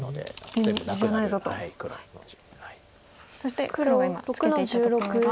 そして黒が今ツケていったところが。